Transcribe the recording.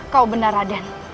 kau benar aden